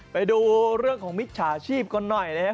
ไปดูเรื่องของมิจฉาชีพกันหน่อยนะครับ